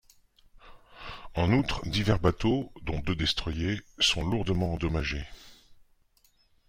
En outre, divers bateaux, dont deux destroyers, sont lourdement endommagés.